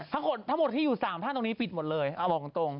ทั้งคนทั้งหมดที่อยู่สามท่านปิดหมดเลยเค้าบอกตรงตรง